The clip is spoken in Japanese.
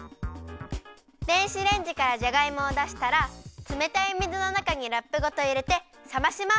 電子レンジからじゃがいもをだしたらつめたい水のなかにラップごといれてさまします。